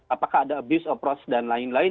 apakah ada abuse of proces dan lain lain